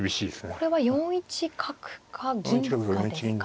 これは４一角か銀かですか。